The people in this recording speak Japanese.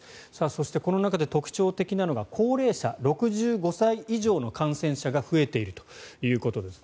そして、この中で特徴的なのが高齢者６５歳以上の感染者が増えているということです。